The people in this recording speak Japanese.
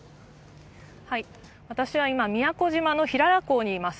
私は今、宮古島の平良港にいます。